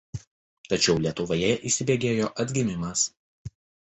Tačiau Lietuvoje įsibėgėjo Atgimimas.